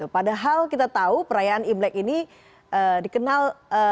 padahal kita tahu perayaan imlek ini dikenal